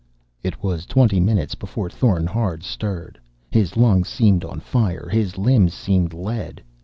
It was twenty minutes before Thorn Hard stirred. His lungs seemed on fire. His limbs seemed lead.